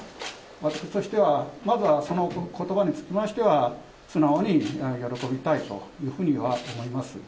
私としてはまずはそのことばにつきましては、素直に喜びたいというふうには思います。